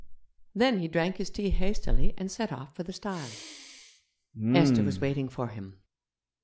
Then he drank his tea hastily and set off for the stile. Esther was waiting for him.